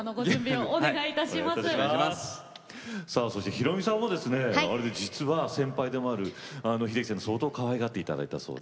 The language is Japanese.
宏美さんは実は先輩でもある秀樹さんに相当かわいがっていただいたそうで。